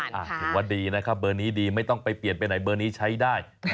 ถือว่าดีนะครับเบอร์นี้ดีไม่ต้องไปเปลี่ยนไปไหนเบอร์นี้ใช้ได้